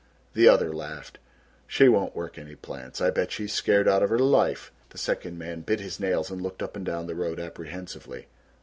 The other laughed. "She won't work any plants. I bet she's scared out of her life." The second man bit his nails and looked up and down the road, apprehensively.